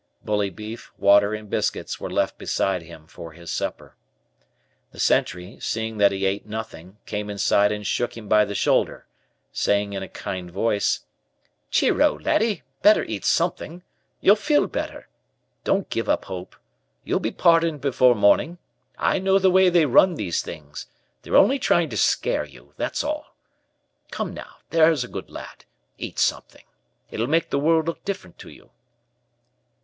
Bully beef, water, and biscuits were left beside him for his supper. The sentry, seeing that he ate nothing, came inside and shook him by the shoulder, saying in a kind voice: "Cheero, laddie, better eat something. You'll feel better. Don't give up hope. You'll be pardoned before morning. I know the way they run these things. They're only trying to scare you, that's all. Come now, that's a good lad, eat something. It'll make the world look different to you."